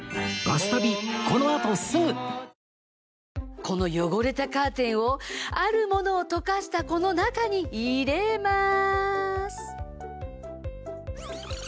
この汚れたカーテンをあるモノを溶かしたこの中に入れまーす。